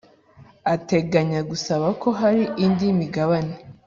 Ateganya gusaba ko hari indi migabane